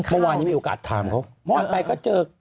เมื่อวานนี้มีโอกาสถามเขาม่อนไปก็เจอ